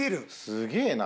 すげえな。